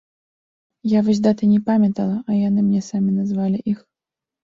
Я вось даты не памятала, а яны мне самі назвалі іх.